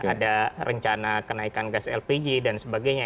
ada rencana kenaikan gas lpg dan sebagainya